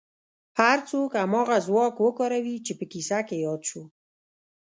هر څوک هماغه ځواک وکاروي چې په کيسه کې ياد شو.